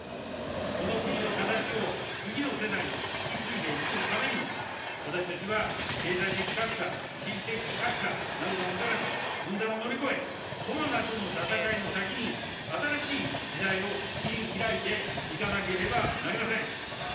この国のかたちを次の世代に引き継いでいくためにも、私たちは経済的格差、地域的格差などがもたらす分断を乗り越え、コロナとの闘いの先に、新しい時代を切り開いていかなければなりません。